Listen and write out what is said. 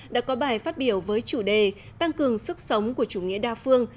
đã có bài phát biểu với chủ đề tăng cường sức sống của chủ nghĩa đa phương